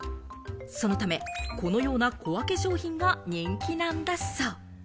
そのため、このような小分け商品が人気なんだそう。